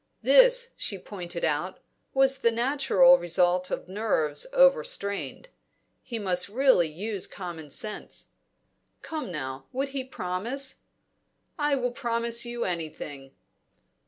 This, she pointed out, was the natural result of nerves overstrained. He must really use common sense. Come now, would he promise? "I will promise you anything!"